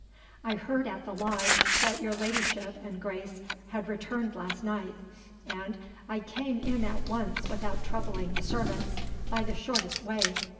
"I heard at the lodge that your ladyship and Grace had returned last night. And I came in at once without troubling the servants, by the shortest way."